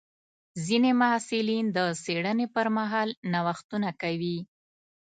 ځینې محصلین د څېړنې پر مهال نوښتونه کوي.